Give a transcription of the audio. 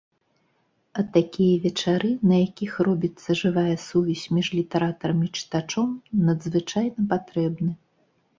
А такія вечары, на якіх робіцца жывая сувязь між літаратарам і чытачом, надзвычайна патрэбны.